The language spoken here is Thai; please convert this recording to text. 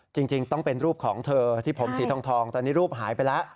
จริงต้องเป็นรูปของเธอที่ผมสีทองตอนนี้รูปหายไปแล้ว